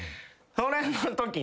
それのときに。